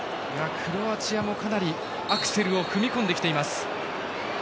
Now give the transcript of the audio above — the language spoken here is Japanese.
クロアチアもかなりアクセルを踏み込んできています。